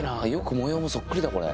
模様もそっくりだこれ。